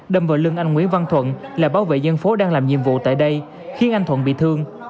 đâm vào lưng anh nguyễn văn thuận là bảo vệ dân phố đang làm nhiệm vụ tại đây khiến anh thuận bị thương